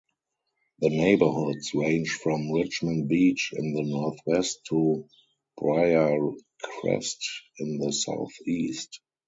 The neighborhoods range from Richmond Beach in the northwest to Briarcrest in the southeast.